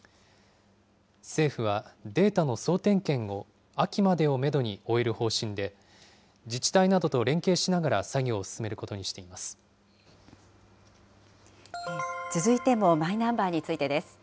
政府はデータの総点検を秋までをメドに終える方針で、自治体などと連携しながら、作業を進めるこ続いてもマイナンバーについてです。